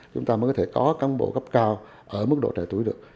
chúng ta mới có thể có cán bộ gấp cao ở mức độ trẻ tuổi được